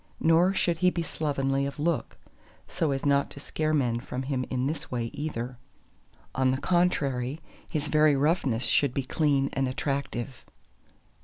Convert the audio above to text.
Nor should he be slovenly of look, so as not to scare men from him in this way either; on the contrary, his very roughness should be clean and attractive.